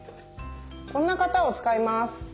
こんな型を使います。